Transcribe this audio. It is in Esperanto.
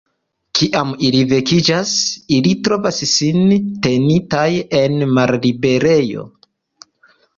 Kiam ili vekiĝas, ili trovas sin tenitaj en malliberejo.